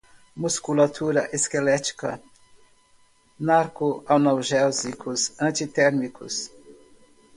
musculatura esquelética, narcoanalgésicos, antitérmicos